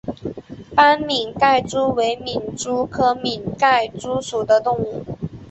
斑皿盖蛛为皿蛛科皿盖蛛属的动物。